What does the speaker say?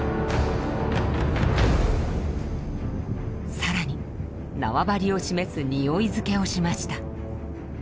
さらに縄張りを示すにおい付けをしました。